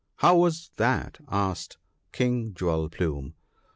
" How was that ?" asked King Jewel plume.